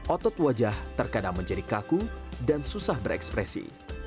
otot wajah terkadang menjadi kaku dan susah berekspresi